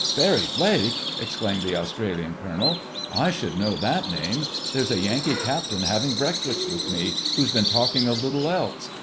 "Barry Blake!" exclaimed the Australian colonel. "I should know that name. There's a Yankee captain having breakfast with me, who's been talking of little else.